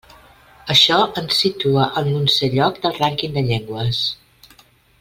Això ens situa en l'onzè lloc del rànquing de llengües.